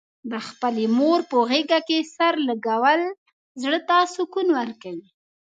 د خپلې مور په غېږه کې سر لږول، زړه ته سکون ورکوي.